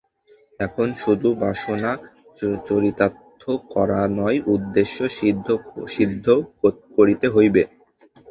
এখন শুধু বাসনা চরিতার্থ করা নয়, উদ্দেশ্য সিদ্ধ করিতে হইবে।